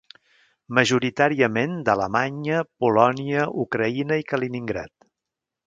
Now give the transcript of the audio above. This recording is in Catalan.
Majoritàriament d'Alemanya, Polònia, Ucraïna i Kaliningrad.